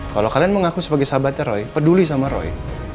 kalau kalian mengaku sebagai sahabatnya roy peduli sama roy